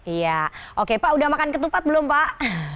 iya oke pak udah makan ketupat belum pak